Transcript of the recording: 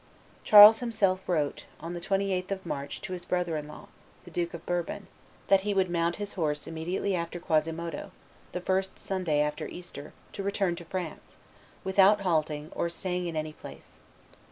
Charles himself wrote, on the 28th of March, to his brother in law, the Duke of Bourbon, that he would mount his horse immediately after Quasimodo [the first Sunday after Easter], to return to France without halting, or staying in any place.